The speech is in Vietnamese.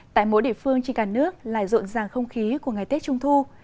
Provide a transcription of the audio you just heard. tại mỗi địa phương trên cả nước lại rộn ràng không khí của ngày tết trung thu